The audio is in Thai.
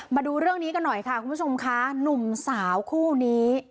มาดูเรื่องนี้กันหน่อยค่ะคุณผู้ชมค่ะหนุ่มสาวคู่นี้